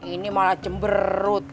ini malah cemberut